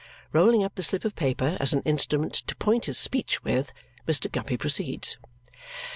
Rolling up the slip of paper as an instrument to point his speech with, Mr. Guppy proceeds.